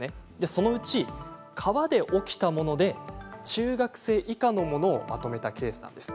そのうち川で起きたもので中学生以下のものをまとめたケースなんです。